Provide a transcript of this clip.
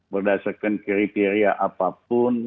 berdasarkan kriteria apapun